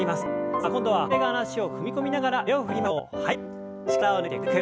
さあ今度は反対側の脚を踏み込みながら腕を振りましょう。